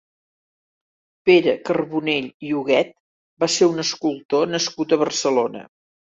Pere Carbonell i Huguet va ser un escultor nascut a Barcelona.